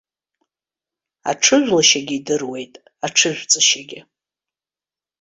Аҽыжәлашьагьы идыруеит, аҽыжәҵышьагьы.